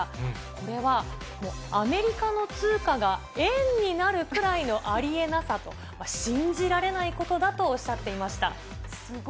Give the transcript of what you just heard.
これは、アメリカの通貨が円になるくらいのありえなさと、信じられないことだとおっしゃっていました。